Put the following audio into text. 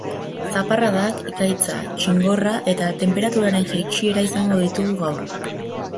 Zaparradak, ekaitza, txingorra eta tenperaturen jaitsiera izango ditugu gaur.